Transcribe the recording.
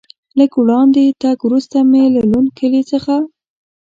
له لږ وړاندې تګ وروسته مې له لوند کلي څخه.